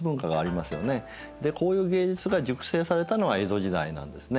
でこういう芸術が熟成されたのは江戸時代なんですね。